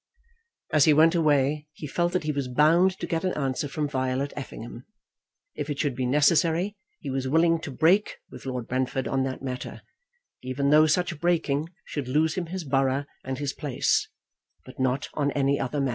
As he went away he felt that he was bound to get an answer from Violet Effingham. If it should be necessary, he was willing to break with Lord Brentford on that matter, even though such breaking should lose him his borough and his place; but not on any other matter.